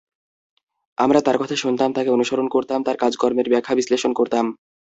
আমরা তাঁর কথা শুনতাম, তাঁকে অনুসরণ করতাম, তাঁর কাজকর্মের ব্যাখ্যা-বিশ্লেষণ করতাম।